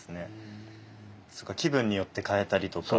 そうか気分によって替えたりとか？